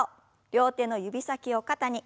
両手の指先を肩に。